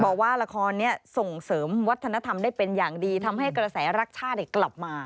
บอกว่าละครนี้ส่งเสริมวัฒนธรรมได้เป็นอย่างดีทำให้กระแสรักชาติกลับมา